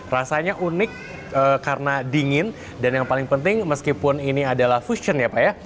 rasanya unik karena dingin dan yang paling penting meskipun ini adalah fusion ya pak ya